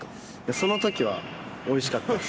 そのときはおいしかったです。